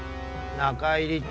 中入りっ